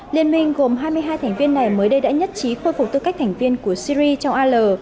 liên minh gồm hai mươi hai thành viên này mới đây đã nhất trí khôi phục tư cách thành viên của syri trong al